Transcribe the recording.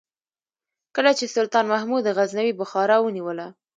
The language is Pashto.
کله چې سلطان محمود غزنوي بخارا ونیوله.